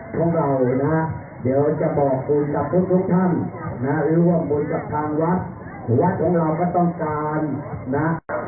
พวกเรามีนะเดี๋ยวจะบอกคุณทรัพย์พวกทุกท่านนะหรือว่าคุณจะพาวัดหัวของเราก็ต้องการนะ